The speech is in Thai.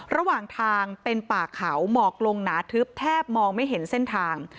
ระหว่างทางเป็นป่าเขาหมอกลงหนาทึบแทบมองไม่เห็นเส้นทาง